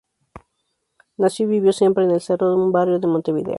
Nació y vivió siempre en el Cerro, un barrio de Montevideo.